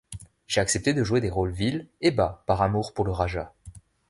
J'ai accepté de jouer des rôles vils et bas par amour pour le Raja.